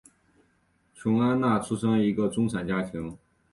琼安娜出生于一个中产家庭。